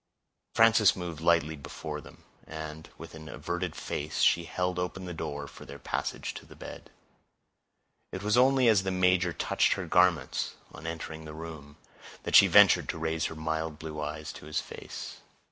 Frances moved lightly before them, and, with an averted face, she held open the door for their passage to the bed; it was only as the major touched her garments, on entering the room, that she ventured to raise her mild blue eyes to his face.